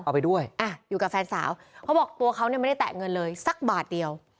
เอาไปด้วยอ่ะอยู่กับแฟนสาวเขาบอกตัวเขาเนี่ยไม่ได้แตะเงินเลยสักบาทเดียว